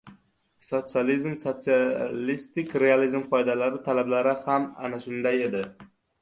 Sotsializm, sotsialistik realizm qoidalari, talablari ham ana shunday edi.